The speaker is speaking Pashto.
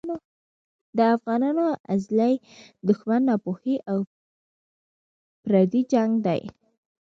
د افغانانو ازلي دښمن ناپوهي او پردی جنګ دی.